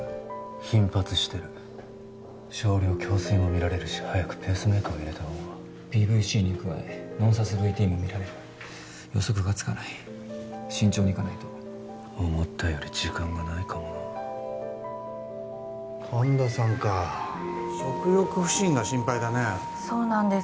頻発してる少量胸水も見られるし早くペースメーカーを入れたほうがＰＶＣに加えノンサスＶＴも見られる予測がつかない慎重にいかないと思ったより時間がないかもな神田さんか食欲不振が心配だねそうなんです